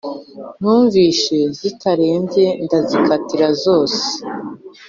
Numvishe zitarenze ndazikatira zose